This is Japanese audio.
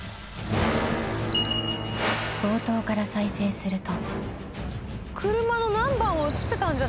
［冒頭から再生すると］